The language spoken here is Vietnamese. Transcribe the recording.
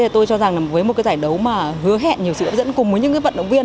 tôi cho rằng với một giải đấu hứa hẹn nhiều sự hợp dẫn cùng với những vận động viên